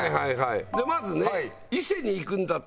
まずね伊勢に行くんだったら。